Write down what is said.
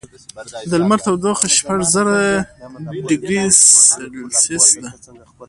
د لمر تودوخه شپږ زره ډګري سیلسیس ده.